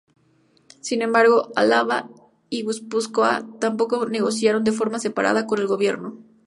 Sin embargo, Álava y Guipúzcoa tampoco negociaron de forma separada con el gobierno.